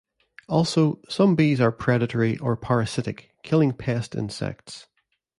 Also, some bees are predatory or parasitic, killing pest insects.